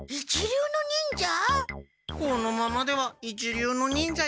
このままでは一流の忍者になれない。